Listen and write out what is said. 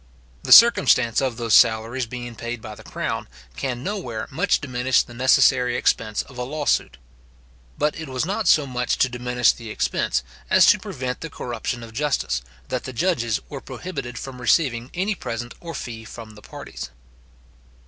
The circumstance of those salaries being paid by the crown, can nowhere much diminish the necessary expense of a law suit. But it was not so much to diminish the expense, as to prevent the corruption of justice, that the judges were prohibited from receiving my present or fee from the parties.